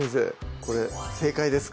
これ正解ですか？